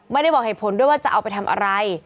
ไม่ได้บอกเหตุผลด้วยว่าจะเอาไปทำอะไร